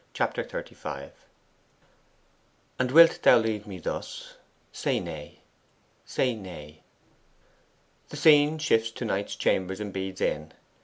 Chapter XXXV 'And wilt thou leave me thus? say nay say nay!' The scene shifts to Knight's chambers in Bede's Inn.